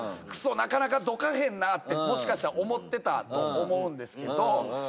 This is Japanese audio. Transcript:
「くそなかなかどかへんな」ってもしかしたら思ってたと思うんですけど。